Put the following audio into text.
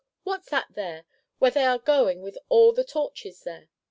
what's that there; where are they goin' with all the torches there?"